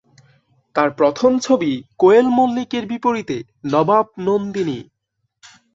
তার প্রথম ছবি কোয়েল মল্লিকের বিপরীতে "নবাব নন্দিনী"।